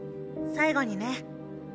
最後にね。